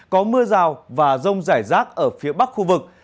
có mưa rào và rông rải rác ở phía bắc khu vực